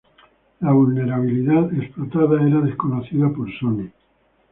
La vulnerabilidad explotada, era desconocida por Sony.